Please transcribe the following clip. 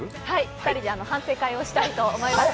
２人で反省会をしたいと思います。